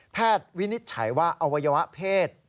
วินิจฉัยว่าอวัยวะเพศ